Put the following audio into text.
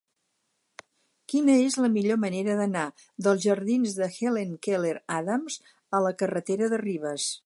Quina és la millor manera d'anar dels jardins de Helen Keller Adams a la carretera de Ribes?